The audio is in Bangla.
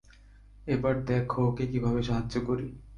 এবার দেখো ওকে কীভাবে সাহায্য করি।